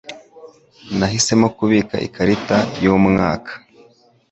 Nahisemo kubika ikarita yumwaka.